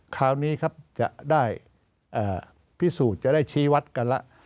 คราวนี้ครับจะได้พิสูจน์จะได้ชี้วัดกันแล้ว